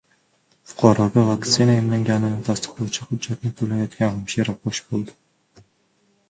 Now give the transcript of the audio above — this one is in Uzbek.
Fuqaroga vaktsina bilan emlanganini tasdiqlovchi hujjatni pullayotgan hamshira fosh bo‘ldi